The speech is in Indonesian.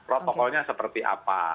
protokolnya seperti apa